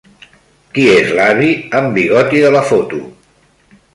Qui és l'avi amb bigoti de la foto?